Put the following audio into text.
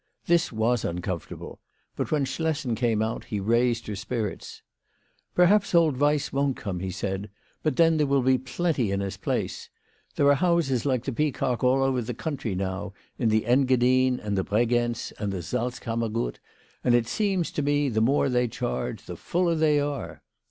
This was uncomfortable; but when Schlessen came out he raised her spirits. "Perhaps old Weiss won't come," he said, "but then there will be plenty in his place. There are houses like the Peacock all over the country now, in the Engadine, and the Bregenz, and the Salzkammergut ; and it seems to me the more they charge the fuller they are."